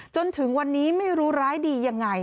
จนถึงวันนี้ไม่รู้ร้ายดียังไง